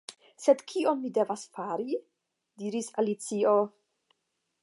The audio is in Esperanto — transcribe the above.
"Sed kion mi devas fari?" diris Alicio.